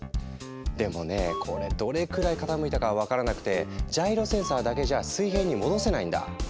でもねこれどれくらい傾いたかは分からなくてジャイロセンサーだけじゃ水平に戻せないんだ。